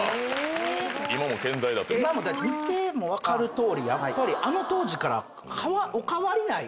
見ても分かるとおりやっぱりあの当時からお変わりない。